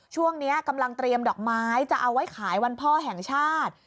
ช่วงนี้กำลังเตรียมดอกไม้จะเอาไว้ขายวันพ่อแห่งชาติ